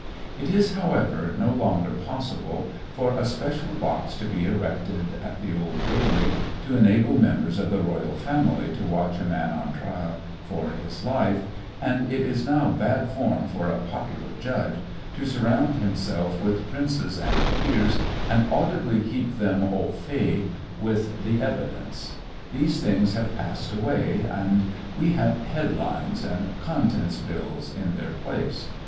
It is, however, no longer possible for a special box to be erected at the Old Bailey to enable members of the Royal Family to watch a man on trial for his life, and it is now bad form for a "popular judge" to surround himself with princes and peers and audibly keep them au fait with the evidence. These things have passed away and we have "headlines" and contents bills in their place.